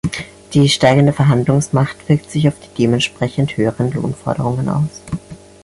Die steigende Verhandlungsmacht wirkt sich auf die dementsprechend höheren Lohnforderungen aus.